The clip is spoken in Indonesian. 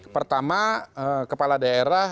pertama kepala daerah